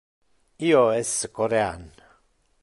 io es Corean.